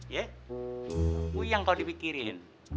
ya uyang kalau dipikirin